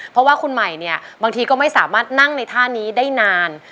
เพราะว่าคุณใหม่เนี่ยบางทีก็ไม่สามารถนั่งในท่านี้ได้นาน